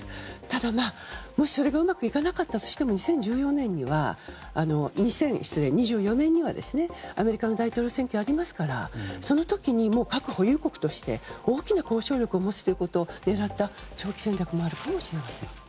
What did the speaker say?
ただ、もしそれがうまくいかなかったとしても２０２４年にはアメリカの大統領選挙がありますからその時には核保有国として大きな交渉力を持つということを狙った長期戦略もあるかもしれません。